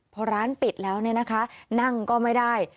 พอร้านปิดแล้วเนี่ยนะคะนั่งก็ไม่ได้